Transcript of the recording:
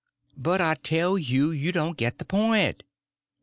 "But I tell you you don't get the point."